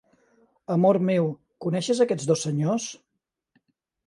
Amor meu, coneixes aquests dos senyors?